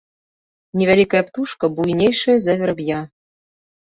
Невялікая птушка буйнейшая за вераб'я.